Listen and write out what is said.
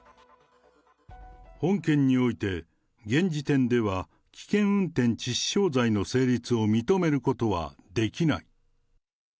本件において、現時点では危険運転致死傷罪の成立を認めることはできない。